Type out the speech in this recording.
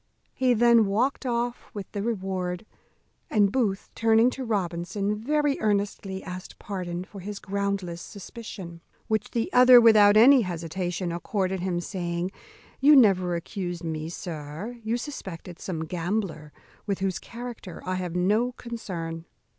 He then walked off with the reward; and Booth, turning to Robinson, very earnestly asked pardon for his groundless suspicion; which the other, without any hesitation, accorded him, saying, "You never accused me, sir; you suspected some gambler, with whose character I have no concern.